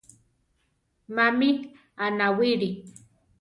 Mami anáwili?